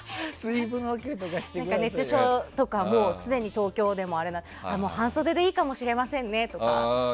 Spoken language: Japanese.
熱中症とかすでに東京でもあれなんで半袖でいいかもしれませんねとか。